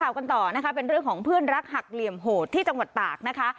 กันต่อนะคะเป็นเรื่องของเพื่อนรักหักเหลี่ยมโหดที่จังหวัดตากนะคะ